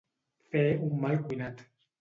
Fer un mal cuinat.